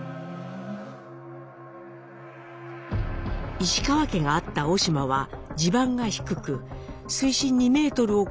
石川家があった小島は地盤が低く水深２メートルを超える濁流で水没。